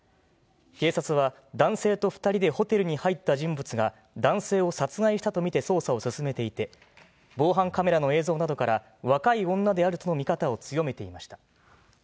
警察は、男性と２人でホテルに入った人物が、男性を殺害したと見て捜査を進めていて、防犯カメラの映像などから、若い女であるとの見方を強めていました。